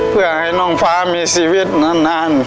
เพื่อให้น้องฟ้ามีชีวิตนาน